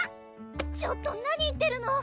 ちょっと何言ってるの！